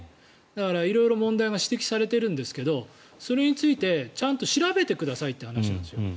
だから色々、問題が指摘されているんですけどそれについてちゃんと調べてくださいっていう話なんですよ。